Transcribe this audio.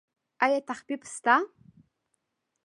ایا تخفیف شته؟